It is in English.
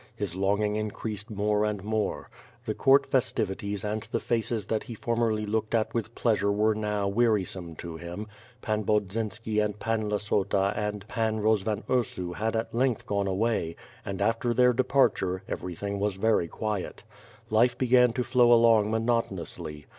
His longing increased more and more. The court festivities and the faces that he formerly looked at with pleasure were now wearisome to him. Pan Bodzynski and Pan Lassota and Pan Rozvan Ursu had at length gone away, and after their departure, everything was very quiet. Life began to flow along monotonously.